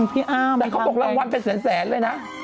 แต่เขาบอกรางวัลเป็นแสนเลยนะ